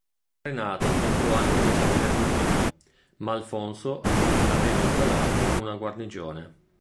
Renato tentò anche si assalire Sulmona, ma Alfonso vi aveva installato una guarnigione.